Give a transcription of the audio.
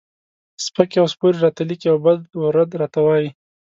سپکې او سپورې راته لیکي او بد و رد راته وایي.